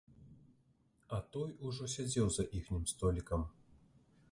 А той ужо сядзеў за іхнім столікам.